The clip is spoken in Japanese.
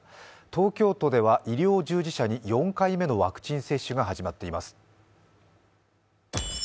東京都では医療従事者に４回目のワクチン接種が始まっています。